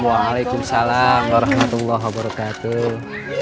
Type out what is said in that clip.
waalaikumsalam warahmatullahi wabarakatuh